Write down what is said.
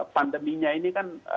pandeminya ini kan